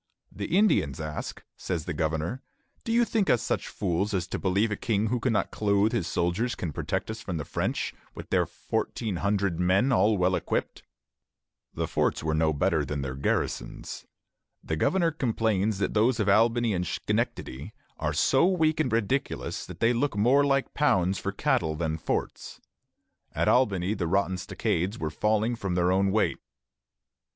"The Indians ask," says the governor, "'Do you think us such fools as to believe that a king who cannot clothe his soldiers can protect us from the French, with their fourteen hundred men all well equipped?'" The forts were no better than their garrisons. The governor complains that those of Albany and Schenectady "are so weak and ridiculous that they look more like pounds for cattle than forts." At Albany the rotten stockades were falling from their own weight.